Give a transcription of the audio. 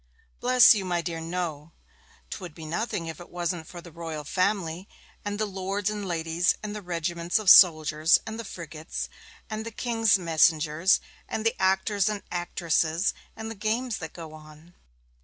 'Bless you, my dear no! 'Twould be nothing if it wasn't for the Royal Family, and the lords and ladies, and the regiments of soldiers, and the frigates, and the King's messengers, and the actors and actresses, and the games that go on.'